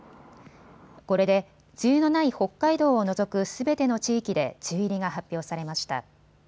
これで梅雨のない北海道を除くすべての地域で梅雨入りが発表されました。